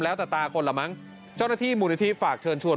แล้วแต่ตาคนละมั้งเจ้าหน้าที่มูลนิธิฝากเชิญชวน